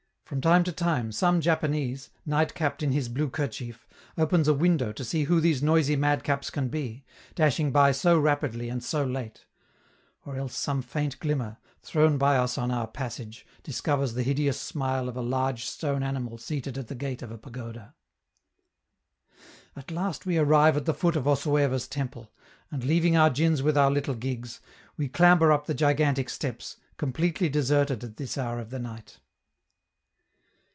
From time to time some Japanese, night capped in his blue kerchief, opens a window to see who these noisy madcaps can be, dashing by so rapidly and so late. Or else some faint glimmer, thrown by us on our passage, discovers the hideous smile of a large stone animal seated at the gate of a pagoda. At last we arrive at the foot of Osueva's temple, and, leaving our djins with our little gigs, we clamber up the gigantic steps, completely deserted at this hour of the night.